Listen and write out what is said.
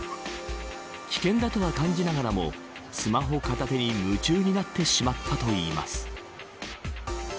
危険だとは感じながらもスマホ片手に夢中になってしまったといいます。